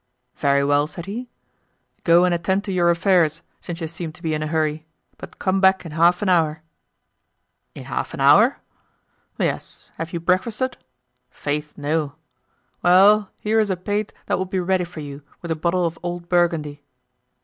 'Very well,' said he, 'go and attend to your affairs, since you seem to be in a hurry, but come back in half an hour.' 'In half an hour?' 'Yes, have you breakfasted?' 'Faith, no.' 'Well, here is a pate that will be ready for you, with a bottle of old Burgundy.